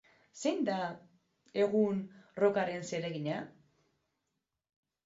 Zein da, egun, rockaren zeregina?